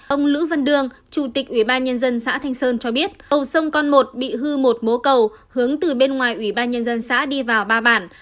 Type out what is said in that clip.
ông lữ văn đương chủ tịch ủy ban nhân dân xã thanh sơn cho biết cầu sông con một bị hư một mố cầu hướng từ bên ngoài ủy ban nhân dân xã đi vào ba bản